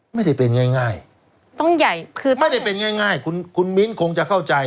ไม่ได้เป็นง่ายต้องใหญ่คือไม่ได้เป็นง่ายคุณคุณมิ้นคงจะเข้าใจ